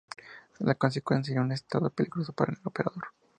La consecuencia sería un estado peligroso para el operador.